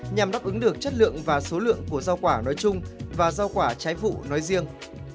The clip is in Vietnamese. nhằm đáp ứng được chất lượng và số lượng của rau quả nói chung và rau quả trái vụ nói riêng